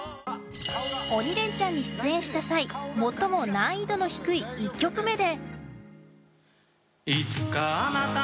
「鬼レンチャン」に出演した際最も難易度の低い１曲目で。